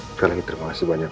sekali lagi terima kasih banyak